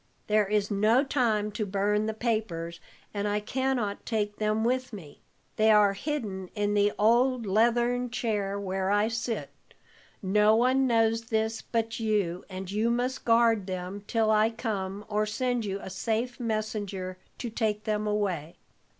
There is no time to burn the papers, and I can not take them with me; they are hidden in the old leathern chair where I sit. No one knows this but you, and you must guard them till I come or send you a safe messenger to take them away.